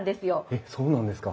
えっそうなんですか？